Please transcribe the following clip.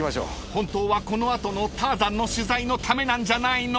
［本当はこの後の『Ｔａｒｚａｎ』の取材のためなんじゃないの？］